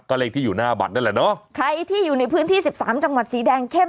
ก็เรียกที่อยู่หน้าบัตรด้วยแหละเนาะใครที่อยู่ในพื้นที่๑๓จังหวัดสีแดงเข้ม